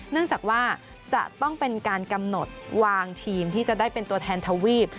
เนื่องจากว่าจะต้องเป็นการกำหนดวางทีมที่จะได้เป็นตัวแทนทวีป